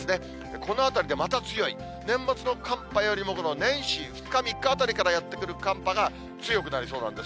このあたりでまた強い、年末の寒波よりもこの年始、２日、３日あたりからやって来る寒波が強くなりそうなんです。